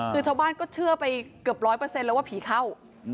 คือชาวบ้านก็เชื่อไปเกือบร้อยเปอร์เซ็นแล้วว่าผีเข้า